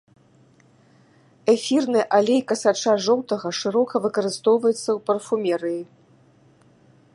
Эфірны алей касача жоўтага шырока выкарыстоўваецца ў парфумерыі.